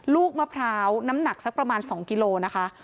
ลูกมะพร้าวน้ำหนักสักประมาณ๒กิโลนะคะ